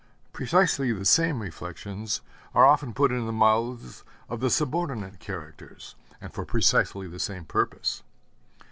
Precisely the same reflections are often put in the mouths of the subordinate characters, and for precisely the same purpose.